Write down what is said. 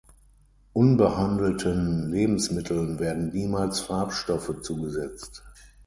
Unbehandelten Lebensmitteln werden niemals Farbstoffe zugesetzt.